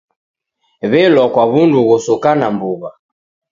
Welwa kwa wundu ghosokana mbuw'a